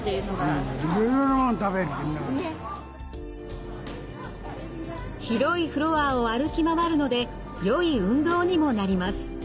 広いフロアを歩き回るのでよい運動にもなります。